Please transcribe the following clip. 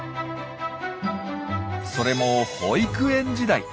それも保育園時代。